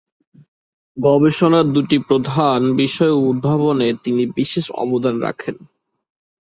গবেষণার দুটি প্রধান বিষয় উদ্ভাবনে তিনি বিশেষ অবদান রাখেন।